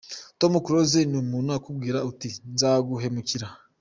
Tom Close ni umuntu ukubwira uti nzaguhemukira.